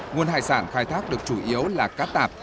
nguồn hải sản khai thác được chủ yếu là cá tạp